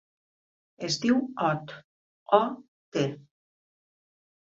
Es diu Ot: o, te.